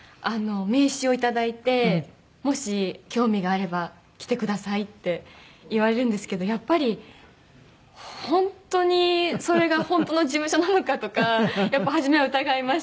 名刺をいただいてもし興味があれば来てくださいって言われるんですけどやっぱり本当にそれが本当の事務所なのかとかやっぱ初めは疑いましたし。